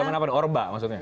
zaman apa orba maksudnya